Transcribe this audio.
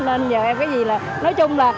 nên giờ em cái gì là nói chung là